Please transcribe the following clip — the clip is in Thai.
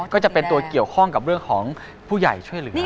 ก็จะเป็นตัวเกี่ยวข้องกับเรื่องของผู้ใหญ่ช่วยเหลือ